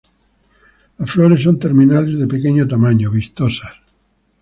Las flores son terminales, de pequeño tamaño, vistosas.